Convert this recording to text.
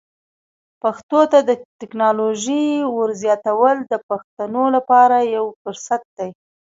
پښتو ته د ټکنالوژۍ ور زیاتول د پښتنو لپاره یو فرصت دی.